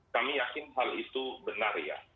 kami yakin hal itu benar ya